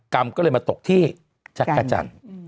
กรรมก็เลยมาตกที่จักรจันทร์